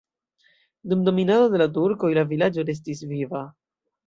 Dum dominado de la turkoj la vilaĝo restis viva.